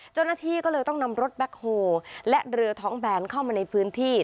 เจ้าหน้าที่ก็เลยต้องนำรถแบ็คโฮและเรือท้องแบนเข้ามาในพื้นที่